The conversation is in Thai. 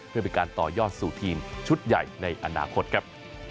เพื่อเป็นการต่อยอดสู่ทีมชุดใหญ่ในอนาคตครับ